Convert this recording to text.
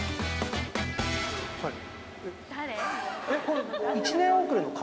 「誰？